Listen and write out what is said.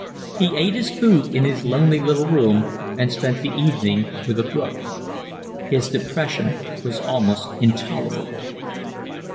He ate his food in his lonely little room and spent the evening with a book. His depression was almost intolerable.